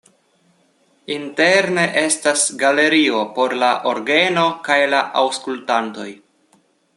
Interne estas galerio por la orgeno kaj la aŭskultantoj.